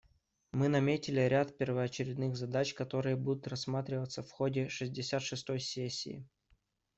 Мы наметили ряд первоочередных задач, которые будут рассматриваться в ходе шестьдесят шестой сессии.